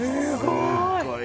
すごい。